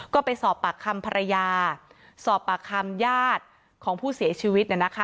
ก็ไปสอบปากคำภรรยาสอบปากคำญาติของผู้เสียชีวิต